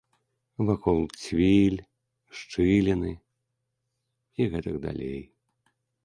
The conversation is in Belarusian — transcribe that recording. Вакол цвіль, шчыліны і гэтак далей.